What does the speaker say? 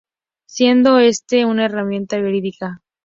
Siendo este una herramienta verídica.